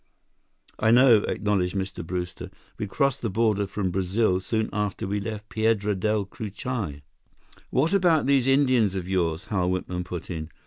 "I know," acknowledged Mr. Brewster. "We crossed the border from Brazil soon after we left Piedra Del Cucuy." "What about these Indians of yours?" Hal Whitman put in.